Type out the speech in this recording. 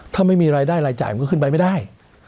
ถ้าไม่มีรายได้รายจ่ายมันก็ขึ้นไปไม่ได้